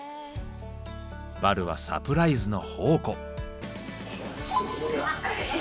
バルはサプライズの宝庫。